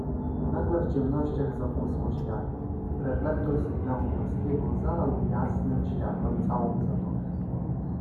"Nagle w ciemnościach zabłysło światło; reflektor sygnału morskiego zalał jasnem światłem całą zatokę."